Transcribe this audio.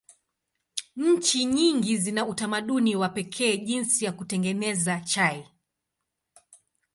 Nchi nyingi zina utamaduni wa pekee jinsi ya kutengeneza chai.